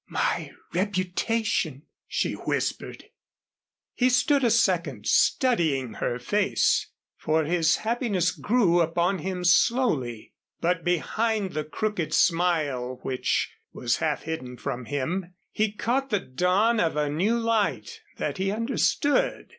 "My reputation," she whispered. He stood a second studying her face, for his happiness grew upon him slowly. But behind the crooked smile which was half hidden from him, he caught the dawn of a new light that he understood.